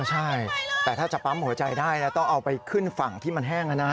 ใช่แต่ถ้าจะปั๊มหัวใจได้นะต้องเอาไปขึ้นฝั่งที่มันแห้งนะนะ